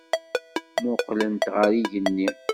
Mmuqqlent ɣer yigenni.